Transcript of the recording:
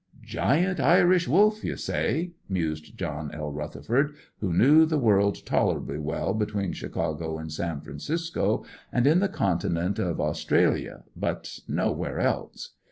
"Giant Irish Wolf, you say," mused John L. Rutherford, who knew the world tolerably well between Chicago and San Francisco, and in the continent of Australia, but nowhere else.